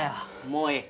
もういい。